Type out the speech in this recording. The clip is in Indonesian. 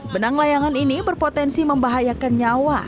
benang layangan ini berpotensi membahayakan nyawa